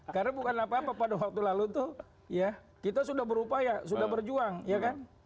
karena bukan apa apa pada waktu lalu tuh ya kita sudah berupaya sudah berjuang ya kan